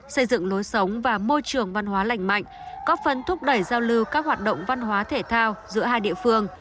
xây dựng lối sống và môi trường văn hóa lành mạnh góp phần thúc đẩy giao lưu các hoạt động văn hóa thể thao giữa hai địa phương